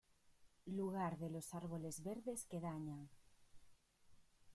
Lugar de los árboles verdes que dañan.